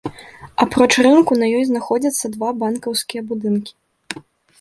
Апроч рынку, на ёй знаходзяцца два банкаўскія будынкі.